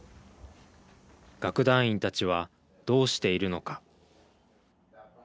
楽団員たちはどうしているのか。